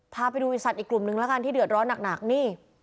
พาไปดูอีกสัตว์อีกกลุ่มนึงแล้วกันที่เดือดร้อนหนักนี่